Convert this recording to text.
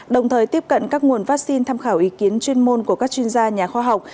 đồng thời tiếp cận các nguồn vaccine tham khảo ý kiến chuyên môn của các chuyên gia nhà khoa học